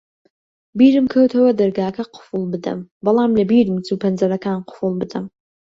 بیرم کەوتەوە دەرگاکە قوفڵ بدەم، بەڵام لەبیرم چوو پەنجەرەکان قوفڵ بدەم.